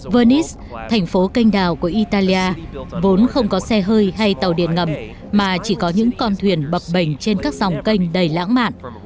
venice thành phố canh đào của italia vốn không có xe hơi hay tàu điện ngầm mà chỉ có những con thuyền bập bềnh trên các dòng kênh đầy lãng mạn